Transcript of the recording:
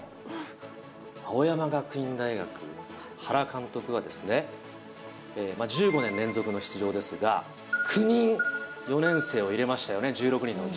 青山学院大学、原監督がですね、１５年連続の出場ですが、９人、４年生を入れましたよね、１６人のうち。